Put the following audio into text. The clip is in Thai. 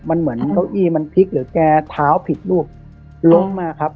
มันเหมือนเก้าอี้มันพลิกหรือแกเท้าผิดรูปล้มมาครับ